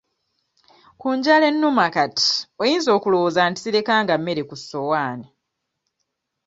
Ku njala ennuma kati oyinza okulowooza nti sirekanga mmere ku ssowaani.